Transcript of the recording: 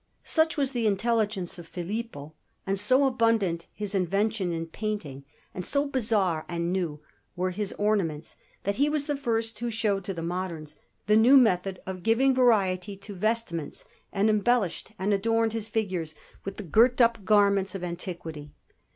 Such was the intelligence of Filippo, and so abundant his invention in painting, and so bizarre and new were his ornaments, that he was the first who showed to the moderns the new method of giving variety to vestments, and embellished and adorned his figures with the girt up garments of antiquity.